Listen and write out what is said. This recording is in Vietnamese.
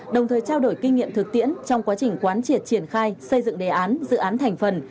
đồng thời trao đổi kinh nghiệm thực tiễn trong quá trình quán triệt triển khai xây dựng đề án dự án thành phần